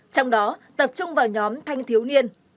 trong đó tập trung vào nhóm thanh thiếu niên